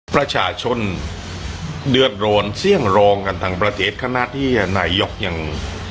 ประชาชนเดือดร้อนเสี่ยงรองกันทั้งประเทศขณะที่นายกยัง